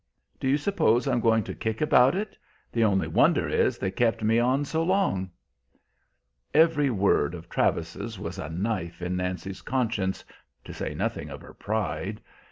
Do you suppose I'm going to kick about it? The only wonder is they kept me on so long." Every word of Travis's was a knife in Nancy's conscience, to say nothing of her pride.